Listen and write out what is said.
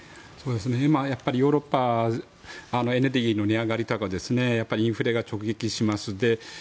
今はヨーロッパエネルギーの値上がりとかインフレが直撃してます。